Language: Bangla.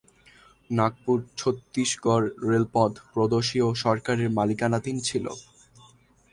নাগপুর ছত্তীসগড় রেলপথ প্রদেশীয় সরকারের মালিকানাধীন ছিল।